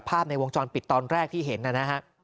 ภาพในวงจรปิดตอนแรกที่เห็นนะฮะ